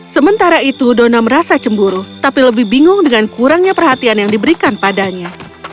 sementara itu dona merasa cemburu tapi lebih bingung dengan kurangnya perhatian yang diberikan padanya